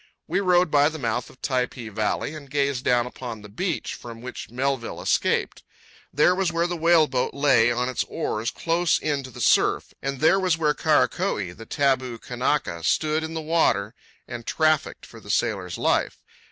We rode by the mouth of Typee valley and gazed down upon the beach from which Melville escaped. There was where the whale boat lay on its oars close in to the surf; and there was where Karakoee, the taboo Kanaka, stood in the water and trafficked for the sailor's life.